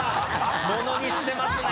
ものにしてますね。